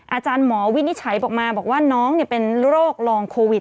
อาจารย์หมอวินิจฉัยออกมาบอกว่าน้องเป็นโรคลองโควิด